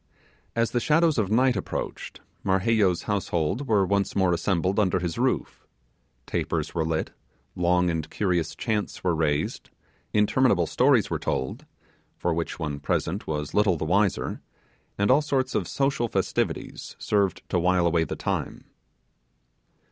As the shadows of night approached Marheyo's household were once more assembled under his roof: tapers were lit, long curious chants were raised, interminable stories were told (for which one present was little the wiser), and all sorts of social festivities served to while away the time.